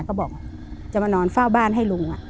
ก็บอกจะมานอนเฝ้าบ้านให้ลุง